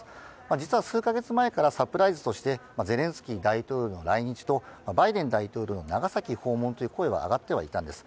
実は、数か月前からサプライズとしてゼレンスキー大統領の来日とバイデン大統領の長崎訪問という声が上がってはいたんです。